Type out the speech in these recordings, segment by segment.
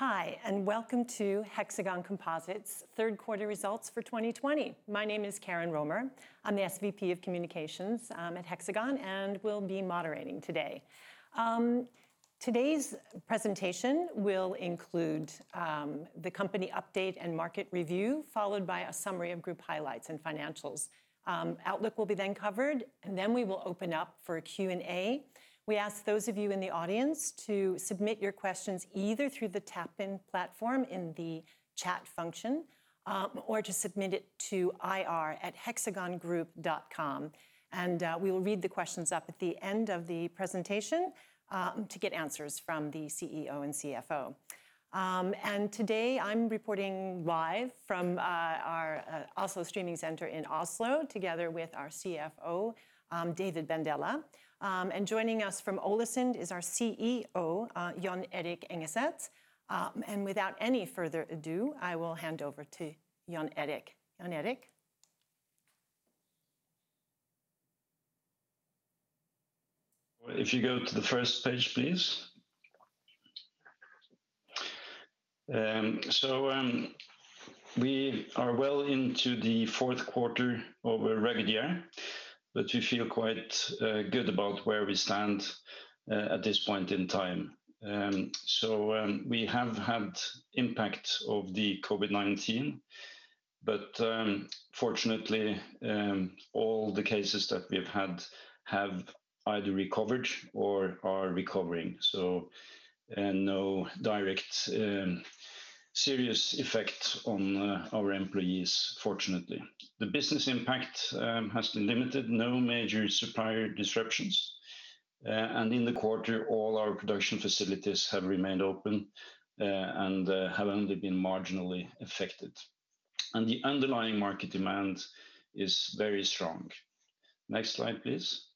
Hi, welcome to Hexagon Composites' third quarter results for 2020. My name is Karen Romer. I'm the SVP of Communications at Hexagon and will be moderating today. Today's presentation will include the company update and market review, followed by a summary of group highlights and financials. Outlook will be covered, we will open up for a Q&A. We ask those of you in the audience to submit your questions either through the TapIn platform in the chat function, to submit it to ir@hexagongroup.com. We will read the questions up at the end of the presentation to get answers from the CEO and CFO. Today, I'm reporting live from our Oslo streaming center in Oslo, together with our CFO, David Bandele. Joining us from Ålesund is our CEO, Jon Erik Engeset. Without any further ado, I will hand over to Jon Erik. Jon Erik? If you go to the first page, please. We are well into the fourth quarter of a rugged year, but we feel quite good about where we stand at this point in time. We have had impact of the COVID-19, but fortunately, all the cases that we've had have either recovered or are recovering. No direct serious effects on our employees, fortunately. The business impact has been limited. No major supplier disruptions. In the quarter, all our production facilities have remained open and have only been marginally affected. The underlying market demand is very strong. Next slide, please.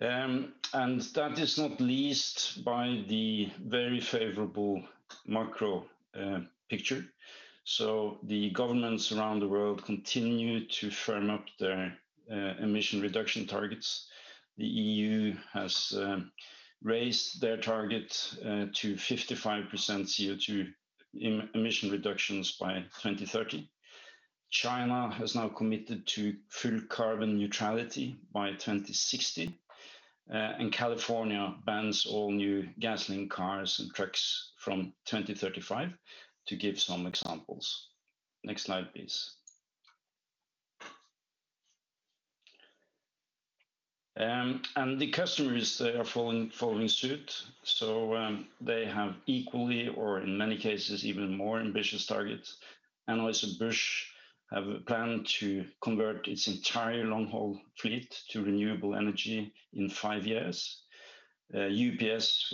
That is not least by the very favorable macro picture. The governments around the world continue to firm up their emission reduction targets. The E.U. has raised their target to 55% CO2 emission reductions by 2030. China has now committed to full carbon neutrality by 2060. California bans all new gasoline cars and trucks from 2035, to give some examples. Next slide, please. The customers, they are following suit, they have equally, or in many cases, even more ambitious targets. Anheuser-Busch have a plan to convert its entire long-haul fleet to renewable energy in five years. UPS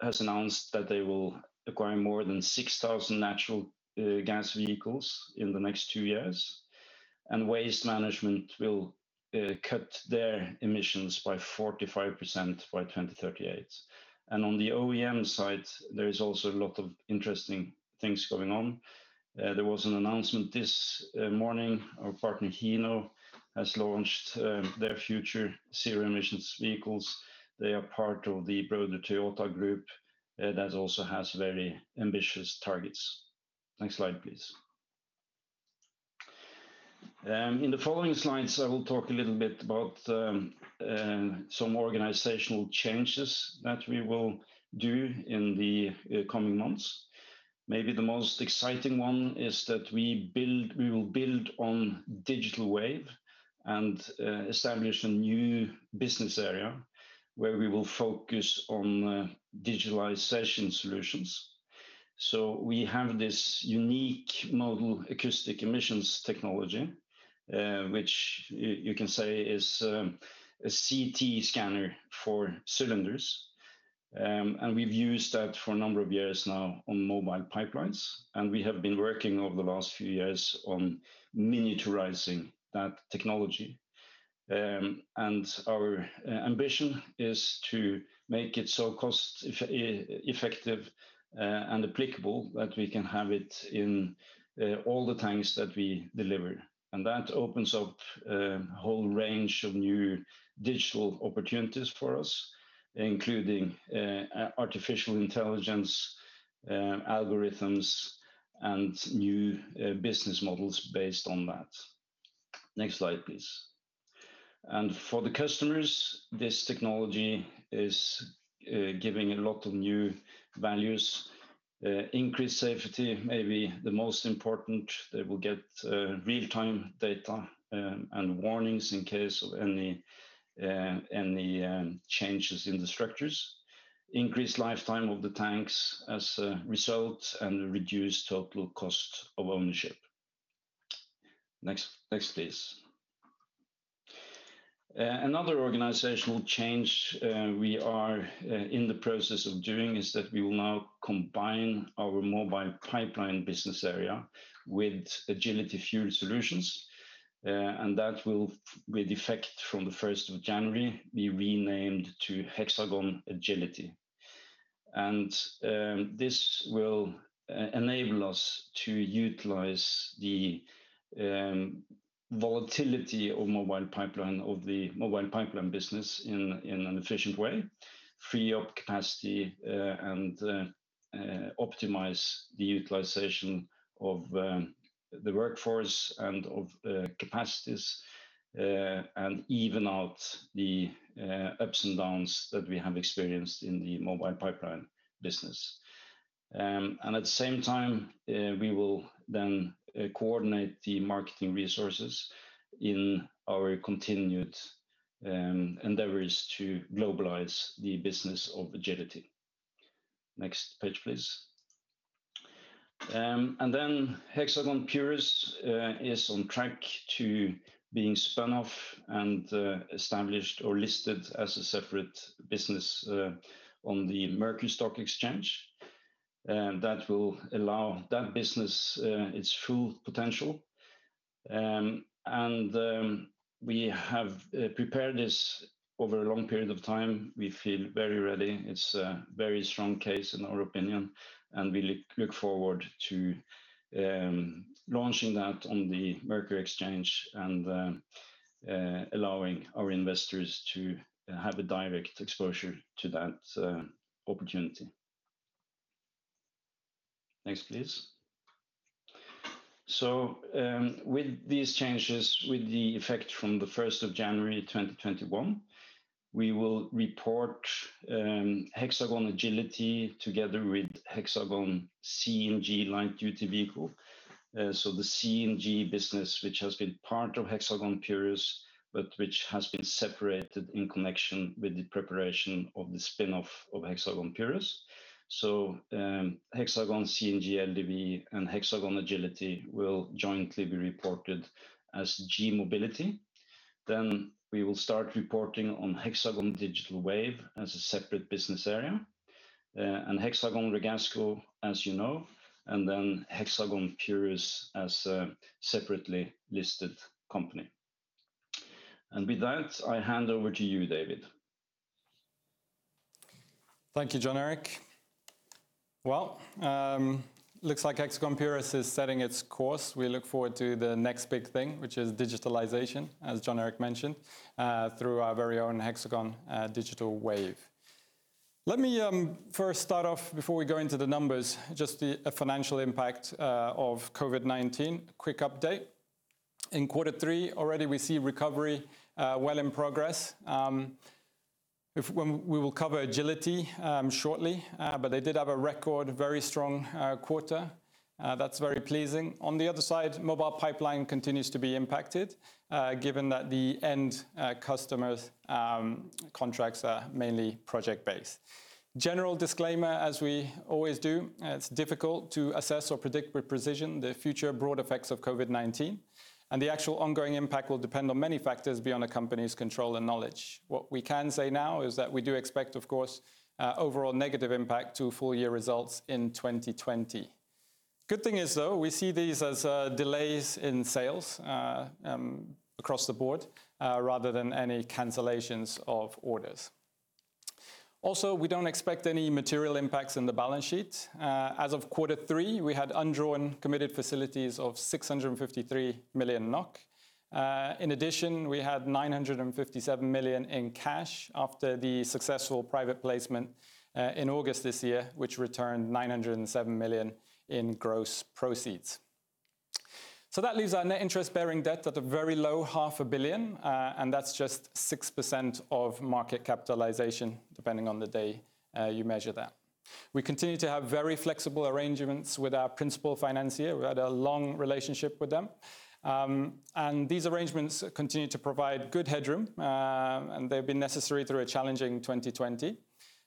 has announced that they will acquire more than 6,000 natural gas vehicles in the next two years. Waste Management will cut their emissions by 45% by 2038. On the OEM side, there is also a lot of interesting things going on. There was an announcement this morning. Our partner, Hino, has launched their future zero-emissions vehicles. They are part of the broader Toyota group that also has very ambitious targets. Next slide, please. In the following slides, I will talk a little bit about some organizational changes that we will do in the coming months. Maybe the most exciting one is that we will build on Hexagon Digital Wave and establish a new business area where we will focus on digitalization solutions. We have this unique modal acoustic emissions technology, which you can say is a CT scanner for cylinders. We've used that for a number of years now on mobile pipelines, and we have been working over the last few years on miniaturizing that technology. Our ambition is to make it so cost-effective and applicable that we can have it in all the tanks that we deliver. That opens up a whole range of new digital opportunities for us, including artificial intelligence, algorithms, and new business models based on that. Next slide, please. For the customers, this technology is giving a lot of new values. Increased safety may be the most important. They will get real-time data and warnings in case of any changes in the structures. Increased lifetime of the tanks as a result, and a reduced total cost of ownership. Next, please. Another organizational change we are in the process of doing is that we will now combine our Mobile Pipeline business area with Agility Fuel Solutions. That will, with effect from the 1st of January, be renamed to Hexagon Agility. This will enable us to utilize the volatility of the mobile pipeline business in an efficient way, free up capacity and optimize the utilization of the workforce and of capacities, and even out the ups and downs that we have experienced in the mobile pipeline business. At the same time, we will then coordinate the marketing resources in our continued endeavors to globalize the business of Agility. Next page, please. Then Hexagon Purus is on track to being spun off and established or listed as a separate business on the Merkur Market. That will allow that business its full potential. We have prepared this over a long period of time. We feel very ready. It's a very strong case in our opinion, and we look forward to launching that on the Merkur Market and allowing our investors to have a direct exposure to that opportunity. Next, please. With these changes, with the effect from the 1st of January 2021, we will report Hexagon Agility together with Hexagon CNG Light Duty Vehicle. The CNG business, which has been part of Hexagon Purus, but which has been separated in connection with the preparation of the spinoff of Hexagon Purus. Hexagon CNG LDV and Hexagon Agility will jointly be reported as g-mobility. We will start reporting on Hexagon Digital Wave as a separate business area, and Hexagon Ragasco, as you know, and Hexagon Purus as a separately listed company. With that, I hand over to you, David. Thank you, Jon Erik. Well, looks like Hexagon Purus is setting its course. We look forward to the next big thing, which is digitalization, as Jon Erik mentioned, through our very own Hexagon Digital Wave. Let me first start off, before we go into the numbers, just the financial impact of COVID-19. Quick update. In quarter three already we see recovery well in progress. We will cover Agility shortly, but they did have a record very strong quarter. That's very pleasing. On the other side, Mobile Pipeline continues to be impacted, given that the end customers' contracts are mainly project-based. General disclaimer, as we always do, it's difficult to assess or predict with precision the future broad effects of COVID-19. The actual ongoing impact will depend on many factors beyond the company's control and knowledge. What we can say now is that we do expect, of course, overall negative impact to full-year results in 2020. Good thing is, though, we see these as delays in sales across the board rather than any cancellations of orders. Also, we don't expect any material impacts on the balance sheet. As of quarter three, we had undrawn committed facilities of 653 million NOK. In addition, we had 957 million in cash after the successful private placement in August this year, which returned 907 million in gross proceeds. That leaves our net interest-bearing debt at a very low 500 million, and that's just 6% of market capitalization, depending on the day you measure that. We continue to have very flexible arrangements with our principal financier. We've had a long relationship with them. These arrangements continue to provide good headroom, and they've been necessary through a challenging 2020,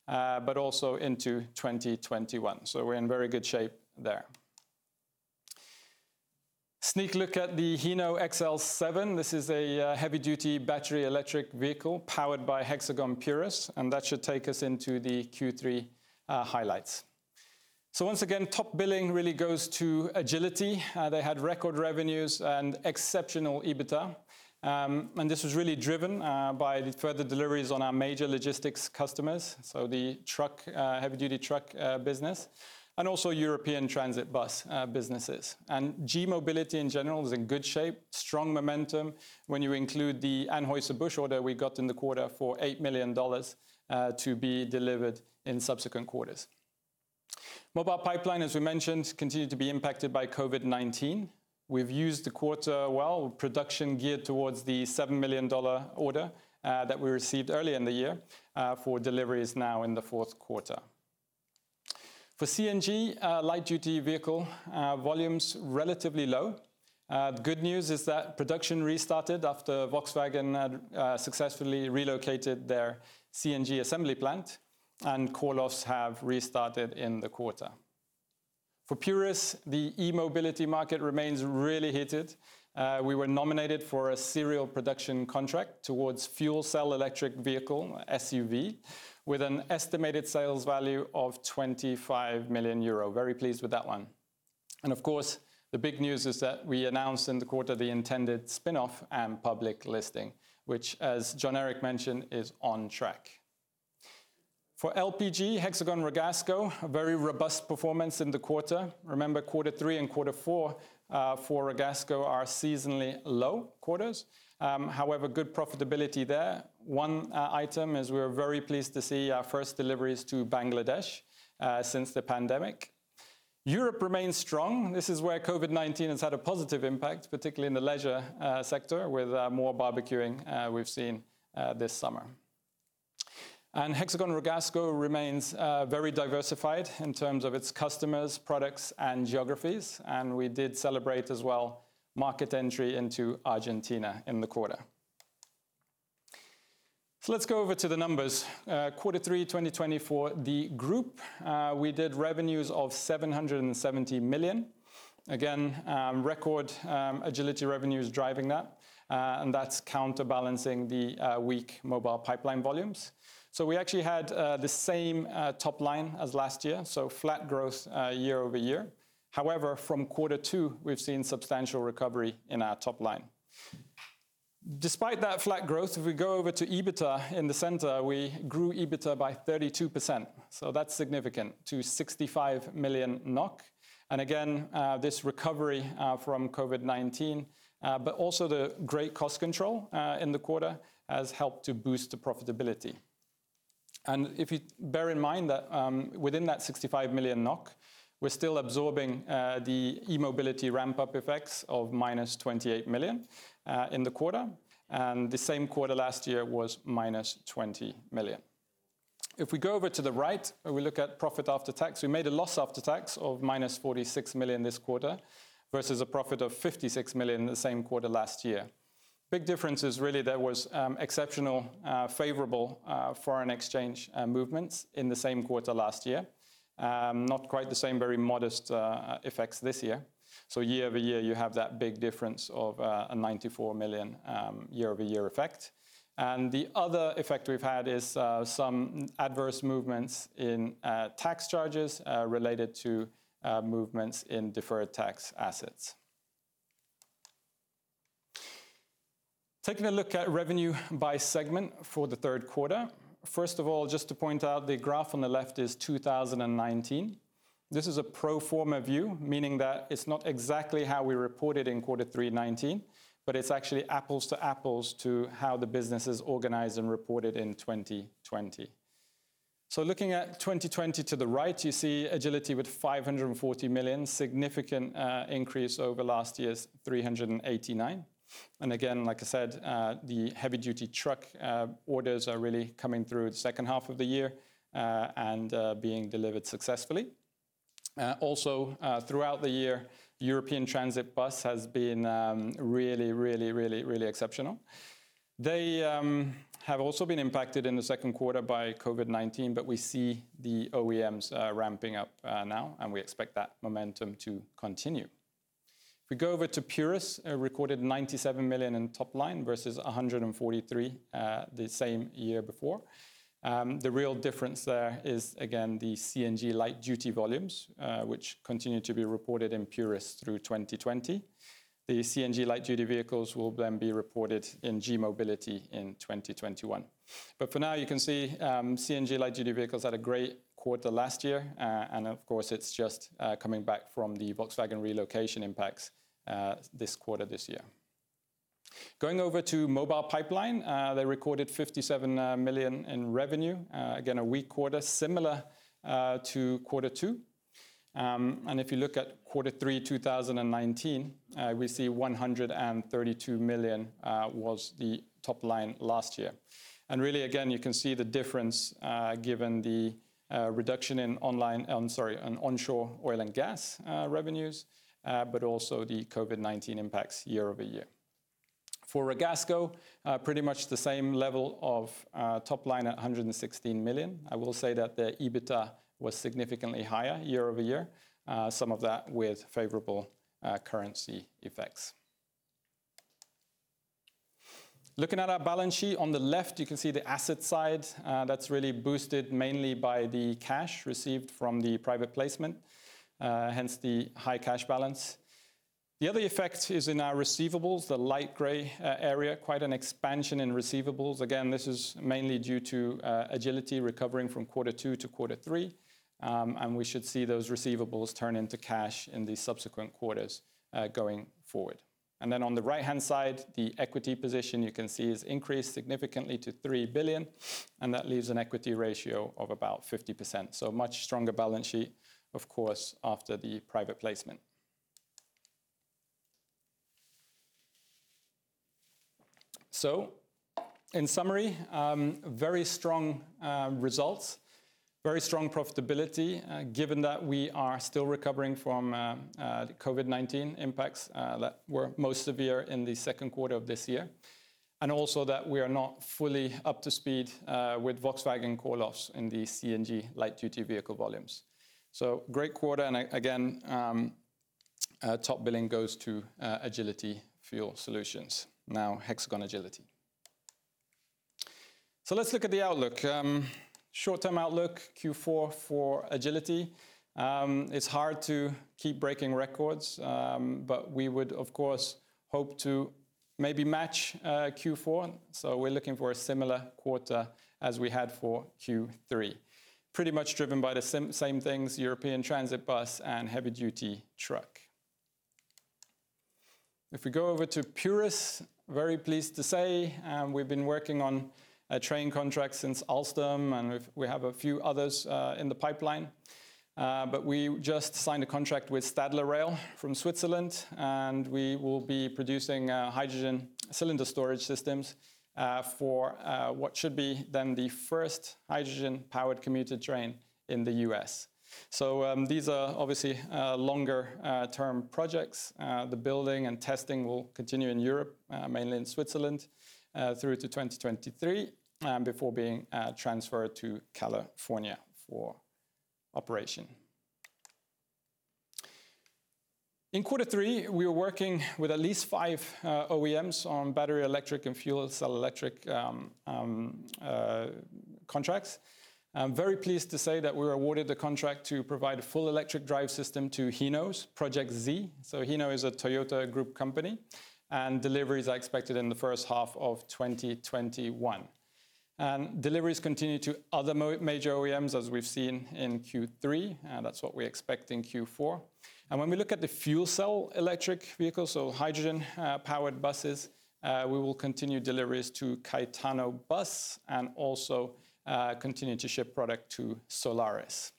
but also into 2021. We're in very good shape there. Sneak look at the Hino XL7. This is a heavy-duty battery electric vehicle powered by Hexagon Purus, and that should take us into the Q3 highlights. Once again, top billing really goes to Agility. They had record revenues and exceptional EBITDA. This was really driven by the further deliveries on our major logistics customers, so the heavy-duty truck business, and also European transit bus businesses. g-mobility, in general, is in good shape, strong momentum. When you include the Anheuser-Busch order we got in the quarter for $8 million to be delivered in subsequent quarters. Mobile Pipeline, as we mentioned, continued to be impacted by COVID-19. We've used the quarter well, with production geared towards the $7 million order that we received early in the year for deliveries now in the fourth quarter. For CNG Light Duty Vehicle, volumes relatively low. Good news is that production restarted after Volkswagen had successfully relocated their CNG assembly plant, and call-offs have restarted in the quarter. For Purus, the e-mobility market remains really heated. We were nominated for a serial production contract towards fuel cell electric vehicle, SUV, with an estimated sales value of 25 million euro. Very pleased with that one. Of course, the big news is that we announced in the quarter the intended spinoff and public listing, which as Jon Erik mentioned, is on track. For LPG, Hexagon Purus, a very robust performance in the quarter. Remember, quarter three and quarter four for Ragasco are seasonally low quarters. However, good profitability there. One item is we're very pleased to see our first deliveries to Bangladesh since the pandemic. Europe remains strong. This is where COVID-19 has had a positive impact, particularly in the leisure sector with more barbecuing we've seen this summer. Hexagon Purus remains very diversified in terms of its customers, products, and geographies. We did celebrate as well market entry into Argentina in the quarter. Let's go over to the numbers. Q3 2020 for the group, we did revenues of 770 million. Again, record Agility revenues driving that, and that's counterbalancing the weak Mobile Pipeline volumes. We actually had the same top line as last year, flat growth year-over-year. However, from quarter two, we've seen substantial recovery in our top line. Despite that flat growth, if we go over to EBITDA in the center, we grew EBITDA by 32%. That's significant, to 65 million NOK. Again, this recovery from COVID-19, but also the great cost control in the quarter has helped to boost the profitability. If you bear in mind that within that 65 million NOK, we're still absorbing the e-mobility ramp-up effects of minus 28 million in the quarter. The same quarter last year was minus 20 million. If we go over to the right and we look at profit after tax, we made a loss after tax of minus 46 million this quarter versus a profit of 56 million in the same quarter last year. Big difference is really there was exceptional favorable foreign exchange movements in the same quarter last year. Not quite the same, very modest effects this year. Year-over-year, you have that big difference of a 94 million year-over-year effect. The other effect we've had is some adverse movements in tax charges related to movements in deferred tax assets. Taking a look at revenue by segment for the third quarter. First of all, just to point out, the graph on the left is 2019. This is a pro forma view, meaning that it's not exactly how we reported in quarter three 2019, but it's actually apples to apples to how the business is organized and reported in 2020. Looking at 2020 to the right, you see Agility with 540 million, significant increase over last year's 389. Again, like I said, the heavy-duty truck orders are really coming through the second half of the year and being delivered successfully. Also, throughout the year, European Transit bus has been really exceptional. They have also been impacted in the second quarter by COVID-19. We see the OEMs ramping up now, and we expect that momentum to continue. Going over to Purus, recorded 97 million in top line versus 143 million the same year before. The real difference there is, again, the CNG Light Duty volumes, which continue to be reported in Purus through 2020. The CNG Light Duty vehicles will then be reported in g-mobility in 2021. For now, you can see CNG Light Duty vehicles had a great quarter last year. Of course, it's just coming back from the Volkswagen relocation impacts this quarter this year. Going over to Mobile Pipeline, they recorded 57 million in revenue. Again, a weak quarter similar to quarter two. If you look at quarter three 2019, we see 132 million was the top line last year. Really, again, you can see the difference given the reduction in onshore oil and gas revenues, but also the COVID-19 impacts year-over-year. For Ragasco, pretty much the same level of top line at 116 million. I will say that their EBITDA was significantly higher year-over-year, some of that with favorable currency effects. Looking at our balance sheet on the left, you can see the asset side. That's really boosted mainly by the cash received from the private placement, hence the high cash balance. The other effect is in our receivables, the light gray area, quite an expansion in receivables. This is mainly due to Agility recovering from quarter two to quarter three. We should see those receivables turn into cash in the subsequent quarters going forward. On the right-hand side, the equity position you can see has increased significantly to 3 billion. That leaves an equity ratio of about 50%. A much stronger balance sheet, of course, after the private placement. In summary, very strong results, very strong profitability, given that we are still recovering from COVID-19 impacts that were most severe in the second quarter of this year. Also, we are not fully up to speed with Volkswagen call-offs in the CNG light-duty vehicle volumes. Great quarter. Again, top billing goes to Agility Fuel Solutions, now Hexagon Agility. Let's look at the outlook. Short-term outlook, Q4 for Agility. It's hard to keep breaking records, we would of course hope to maybe match Q4. We're looking for a similar quarter as we had for Q3. Pretty much driven by the same things, European transit bus and heavy-duty truck. If we go over to Purus, very pleased to say we've been working on train contracts since Alstom, and we have a few others in the pipeline. We just signed a contract with Stadler Rail from Switzerland, and we will be producing hydrogen cylinder storage systems for what should be then the first hydrogen-powered commuter train in the U.S. These are obviously longer-term projects. The building and testing will continue in Europe, mainly in Switzerland, through to 2023, before being transferred to California for operation. In quarter three, we are working with at least five OEMs on battery electric and fuel cell electric contracts. I'm very pleased to say that we were awarded a contract to provide a full electric drive system to Hino's Project Z. Hino is a Toyota Group company, and deliveries are expected in the first half of 2021. Deliveries continue to other major OEMs, as we've seen in Q3. That's what we expect in Q4. When we look at the fuel cell electric vehicles, so hydrogen-powered buses, we will continue deliveries to CaetanoBus and also continue to ship product to Solaris.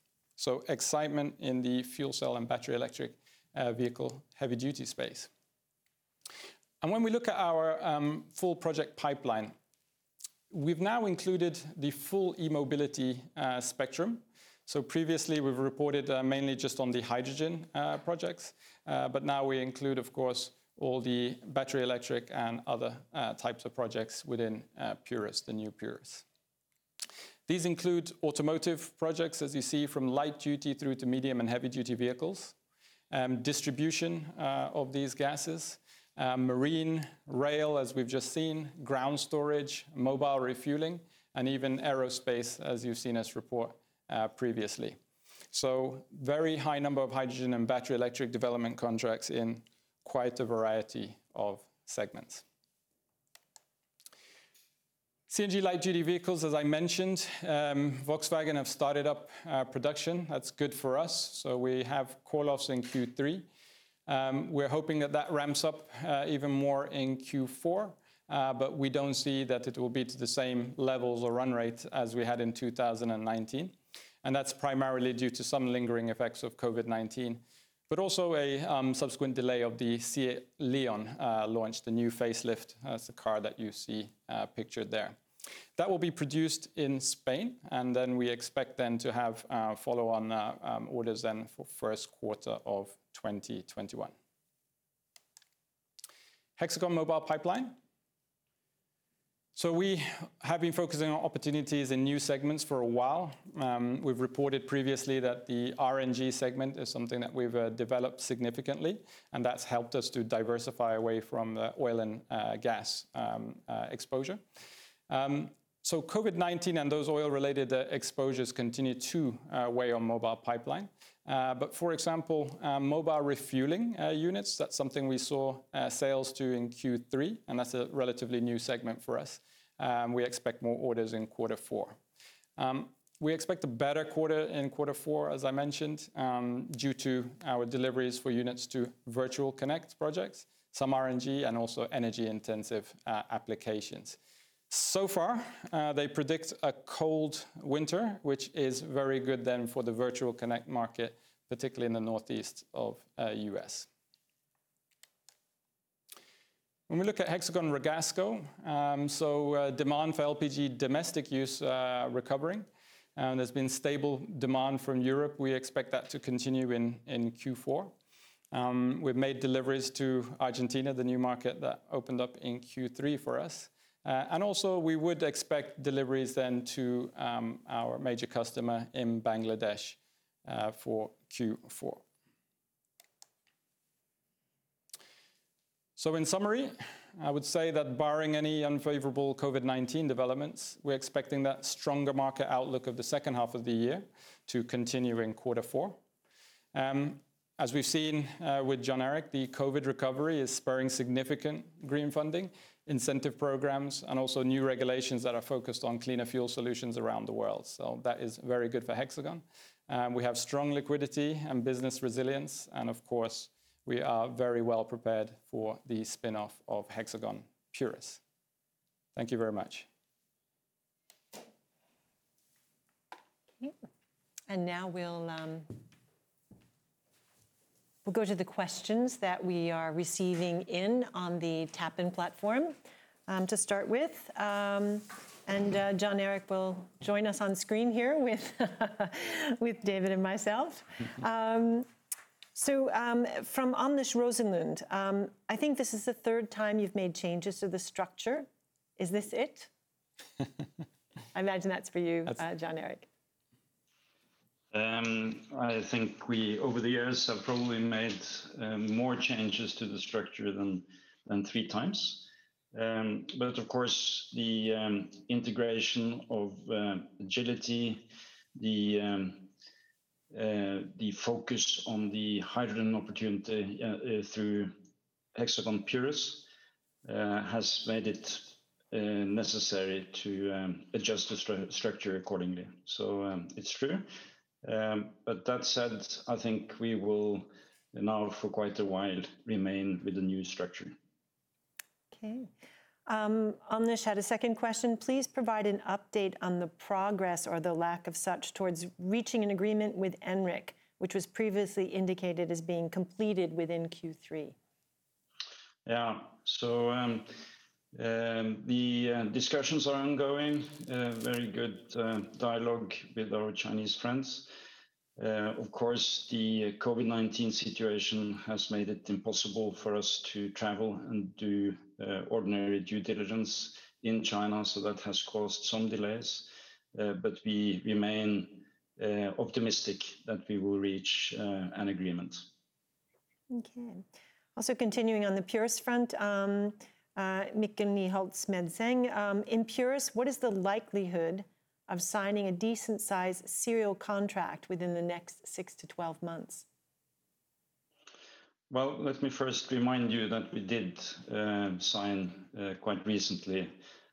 Excitement in the fuel cell and battery electric vehicle heavy-duty space. When we look at our full project pipeline, we've now included the full e-mobility spectrum. Previously we've reported mainly just on the hydrogen projects. Now we include, of course, all the battery electric and other types of projects within the new Purus. These include automotive projects, as you see, from light duty through to medium and heavy-duty vehicles, distribution of these gases, marine, rail, as we've just seen, ground storage, mobile refueling, and even aerospace, as you've seen us report previously. A very high number of hydrogen and battery electric development contracts in quite a variety of segments. CNG light-duty vehicles, as I mentioned, Volkswagen have started up production. That's good for us. We have call-offs in Q3. We're hoping that that ramps up even more in Q4. We don't see that it will be to the same levels or run rate as we had in 2019. That's primarily due to some lingering effects of COVID-19, but also a subsequent delay of the SEAT León launch, the new facelift. That's the car that you see pictured there. That will be produced in Spain. We expect then to have follow-on orders then for the first quarter of 2021. Hexagon Mobile Pipeline. We have been focusing on opportunities in new segments for a while. We've reported previously that the RNG segment is something that we've developed significantly, and that's helped us to diversify away from oil and gas exposure. COVID-19 and those oil-related exposures continue to weigh on Mobile Pipeline. For example, mobile refueling units, that's something we saw sales to in Q3, and that's a relatively new segment for us. We expect more orders in quarter four. We expect a better quarter in quarter four, as I mentioned, due to our deliveries for units to virtual interconnect projects, some RNG, and also energy-intensive applications. So far, they predict a cold winter, which is very good then for the virtual interconnect market, particularly in the northeast of the U.S. When we look at Hexagon Ragasco, so demand for LPG domestic use recovering. There's been stable demand from Europe. We expect that to continue in Q4. We've made deliveries to Argentina, the new market that opened up in Q3 for us. Also we would expect deliveries then to our major customer in Bangladesh for Q4. In summary, I would say that barring any unfavorable COVID-19 developments, we're expecting that stronger market outlook of the second half of the year to continue in quarter four. As we've seen with Jon Erik, the COVID recovery is spurring significant green funding, incentive programs, and also new regulations that are focused on cleaner fuel solutions around the world. That is very good for Hexagon. We have strong liquidity and business resilience, and of course, we are very well prepared for the spin-off of Hexagon Purus. Thank you very much. Okay. Now we'll go to the questions that we are receiving in on the TapIn platform to start with. Jon Erik will join us on screen here with David and myself. From Anders Rosenlund, "I think this is the third time you've made changes to the structure. Is this it?" I imagine that's for you, Jon Erik. I think we, over the years, have probably made more changes to the structure than 3x. Of course, the integration of Agility, the focus on the hydrogen opportunity through Hexagon Purus, has made it necessary to adjust the structure accordingly. It's true. That said, I think we will now for quite a while remain with the new structure. Okay. Anders had a second question. "Please provide an update on the progress or the lack of such towards reaching an agreement with Enric, which was previously indicated as being completed within Q3. Yeah. The discussions are ongoing. Very good dialogue with our Chinese friends. Of course, the COVID-19 situation has made it impossible for us to travel and do ordinary due diligence in China, so that has caused some delays. We remain optimistic that we will reach an agreement. Okay. Also continuing on the Purus front, Mikkel Nyholt-Smedseng, "In Purus, what is the likelihood of signing a decent-sized serial contract within the next 6-12 months? Well, let me first remind you that we did sign quite recently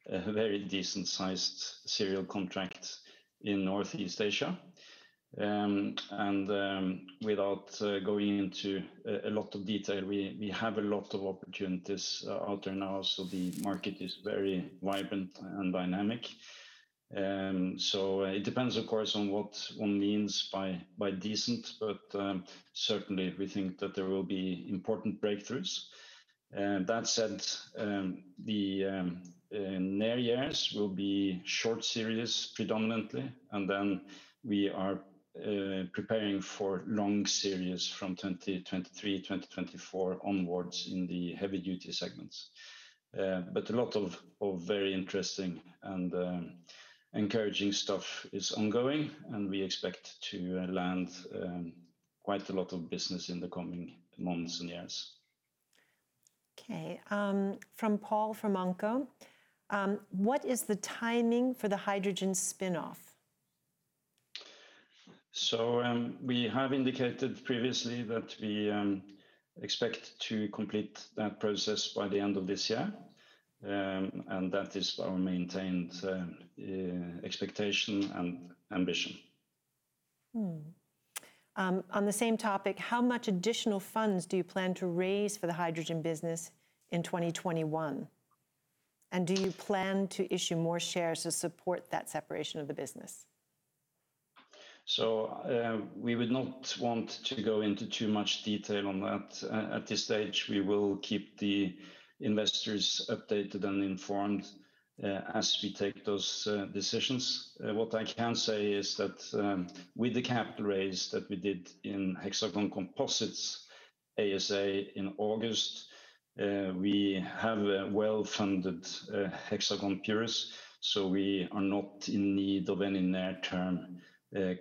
a very decent-sized serial contract in Northeast Asia. Without going into a lot of detail, we have a lot of opportunities out there now. The market is very vibrant and dynamic. It depends, of course, on what one means by decent, but certainly we think that there will be important breakthroughs. That said, the near years will be short series predominantly, and then we are preparing for long series from 2023, 2024 onwards in the heavy-duty segments. A lot of very interesting and encouraging stuff is ongoing, and we expect to land quite a lot of business in the coming months and years. Okay. From Paul Formanko, what is the timing for the hydrogen spinoff? We have indicated previously that we expect to complete that process by the end of this year, and that is our maintained expectation and ambition. On the same topic, How much additional funds do you plan to raise for the hydrogen business in 2021? Do you plan to issue more shares to support that separation of the business? We would not want to go into too much detail on that at this stage. We will keep the investors updated and informed as we take those decisions. What I can say is that with the capital raise that we did in Hexagon Composites ASA in August, we have a well-funded Hexagon Purus. We are not in need of any near-term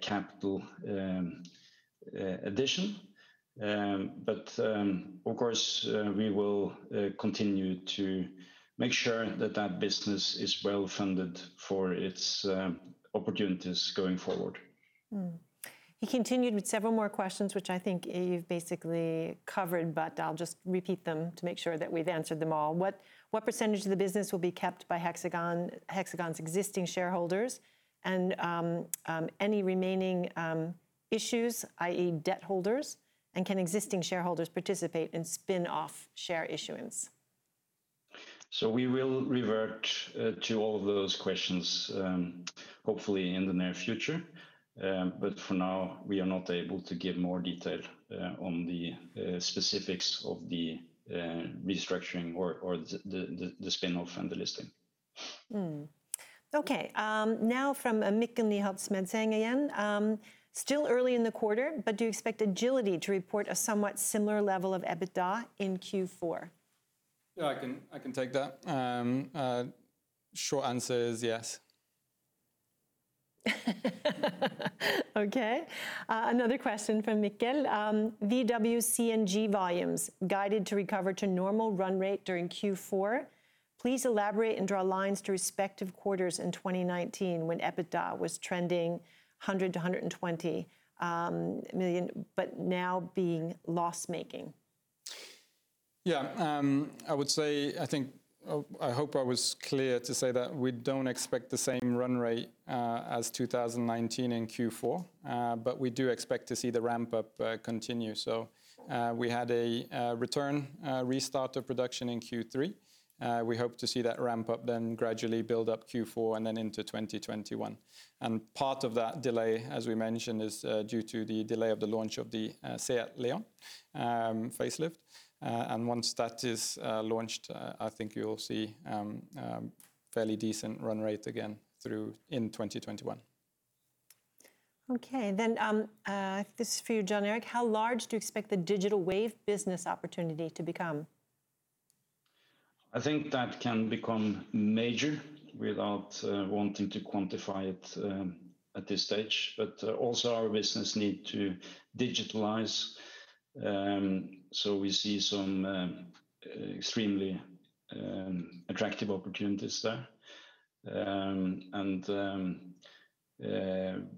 capital addition. Of course, we will continue to make sure that that business is well funded for its opportunities going forward. He continued with several more questions, which I think you've basically covered, but I'll just repeat them to make sure that we've answered them all. "What percentage of the business will be kept by Hexagon's existing shareholders? Any remaining issues, i.e. debt holders? Can existing shareholders participate in spin-off share issuance? We will revert to all of those questions, hopefully in the near future. For now, we are not able to give more detail on the specifics of the restructuring or the spin-off and the listing. Okay. Now from Mikkel Nyholt-Smedseng again, "Still early in the quarter, but do you expect Agility to report a somewhat similar level of EBITDA in Q4? Yeah, I can take that. Short answer is yes. Okay. Another question from Mikkel. "VW CNG volumes guided to recover to normal run rate during Q4. Please elaborate and draw lines to respective quarters in 2019 when EBITDA was trending 100 million-120 million, but now being loss-making. I hope I was clear to say that we don't expect the same run rate as 2019 in Q4, but we do expect to see the ramp-up continue. We had a return restart of production in Q3. We hope to see that ramp up then gradually build up Q4 and then into 2021. Part of that delay, as we mentioned, is due to the delay of the launch of the SEAT León facelift. Once that is launched, I think you'll see fairly decent run rate again in 2021. Okay. this is for you, Jon Erik. How large do you expect the Digital Wave business opportunity to become? I think that can become major without wanting to quantify it at this stage. Also our business need to digitalize, so we see some extremely attractive opportunities there.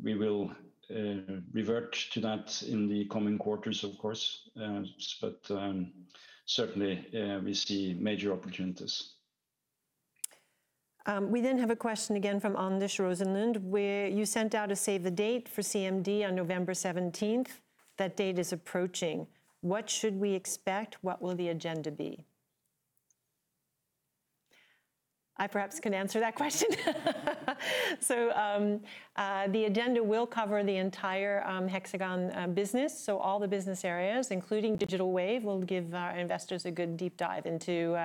We will revert to that in the coming quarters, of course. Certainly, we see major opportunities. We have a question again from Anders Rosenlund, where you sent out a save the date for CMD on November 17th. That date is approaching. What should we expect? What will the agenda be? I perhaps can answer that question. The agenda will cover the entire Hexagon business. All the business areas, including Digital Wave, will give our investors a good deep dive into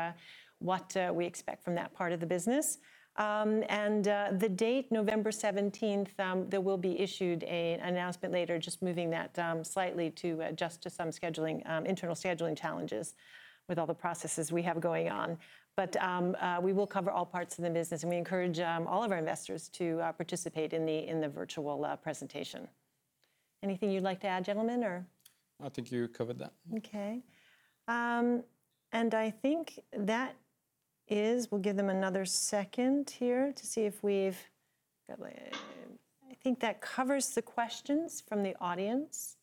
what we expect from that part of the business. The date, November 17th, there will be issued an announcement later, just moving that slightly to adjust to some internal scheduling challenges with all the processes we have going on. We will cover all parts of the business, and we encourage all of our investors to participate in the virtual presentation. Anything you'd like to add, gentlemen? I think you covered that. Okay. We'll give them another second here to see if I think that covers the questions from the audience.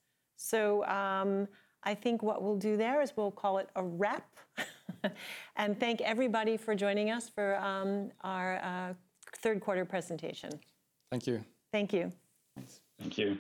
I think what we'll do there is we'll call it a wrap and thank everybody for joining us for our third quarter presentation. Thank you. Thank you. Thanks. Thank you.